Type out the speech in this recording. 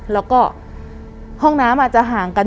แล้วก็ห้องน้ำอาจจะห่างกัน